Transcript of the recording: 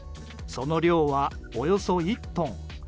その量は、およそ１トン。